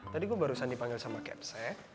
tadi gue yang baru dipanggil sama kfc